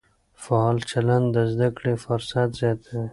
فعال چلند د زده کړې فرصت زیاتوي.